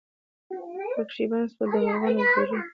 پکښي بند سول د مرغانو وزرونه